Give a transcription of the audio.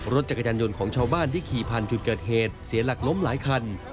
รถจักรยานยนต์ของชาวบ้านที่ขี่ผ่านจุดเกิดเหตุเสียหลักล้มหลายคัน